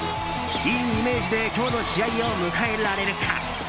いいイメージで今日の試合を迎えられるか。